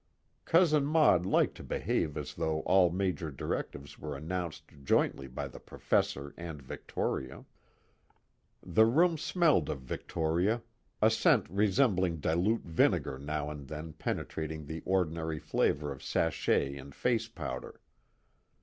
Cousin Maud liked to behave as though all major directives were announced jointly by The Professor and Victoria. The room smelled of Victoria, a scent resembling dilute vinegar now and then penetrating the ordinary flavor of sachet and face powder.